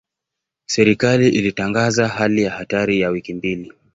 Serikali ilitangaza hali ya hatari ya wiki mbili.